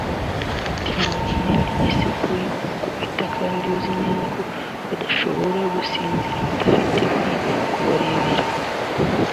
Ati “Naramubwiye nti ‘Ese ko urimo kubakubita kandi uzi neza ko badashobora gusinzira badafite uri kubarebera